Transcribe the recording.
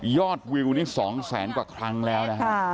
วิวนี่๒แสนกว่าครั้งแล้วนะฮะ